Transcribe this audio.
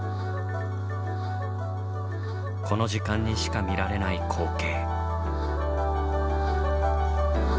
この時間にしか見られない光景。